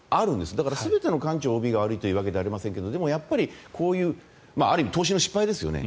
だから全ての官庁ＯＢが悪いというわけではないですがだけどやっぱり、こういう投資の失敗ですよね。